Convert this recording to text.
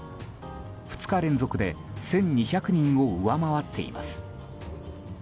２日連続で１２００人を上回っています。